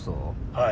はい。